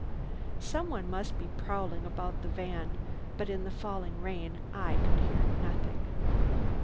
Some one must be prowling about the van, but in the falling rain I could hear nothing.